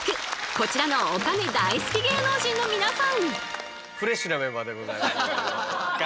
こちらのお金大好き芸能人の皆さん！